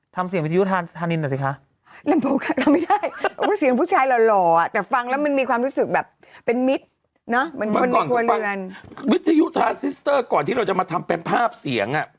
แต่ที่มวลองทำเสียง